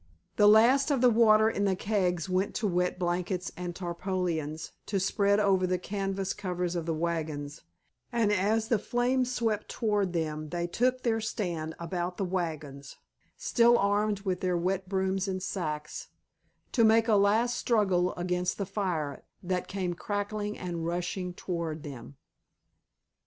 The last of the water in the kegs went to wet blankets and tarpaulins to spread over the canvas covers of the wagons, and as the flames swept toward them they took their stand about the wagons, still armed with their wet brooms and sacks, to make a last struggle against the fire that came crackling and rushing toward them.